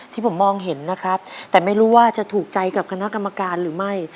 ที่ผมมองเห็นนะครับแต่ไม่รู้ว่าจะถูกใจกับคณะกรรมการหรือไม่